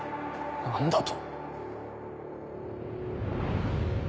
何だと？